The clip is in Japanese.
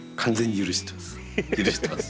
許してます。